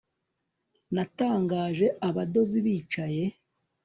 natangaje abadozi bicaye